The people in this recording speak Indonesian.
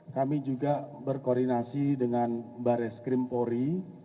kami juga berkoordinasi dengan barres krim pori